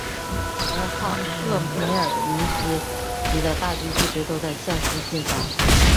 而赫梅尔尼茨基的大军一直都在向西进发。